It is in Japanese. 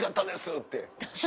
って。